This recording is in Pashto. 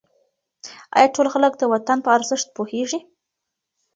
آیا ټول خلک د وطن په ارزښت پوهېږي؟